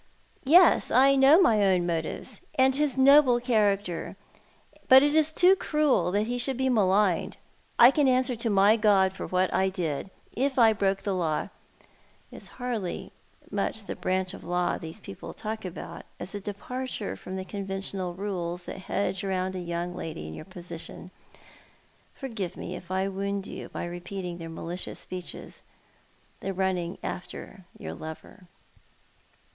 " Yes, I know my own motives — and his noble character — but it is too cruel that he should be maligned. I can answer to my God for what I did. If I broke the law —"" It is hardly so much the breach of the law these people talk about, as the departure from the conventional rules that hedge round a young lady in your position — forgive me if I wound you by repeating their malicious 'speeches — the running after your lover."